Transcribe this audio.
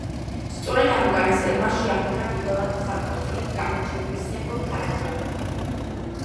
სწორედ ამ უკანასკნელმა შეახვედრა პირველად მხატვარს სწორედ გამორჩეული სერგო ფარაჯანოვი.